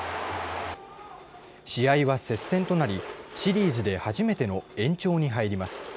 試合は接戦となりシリーズで初めての延長に入ります。